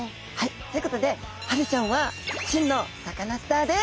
ということでハゼちゃんは真のサカナスターでギョざいます！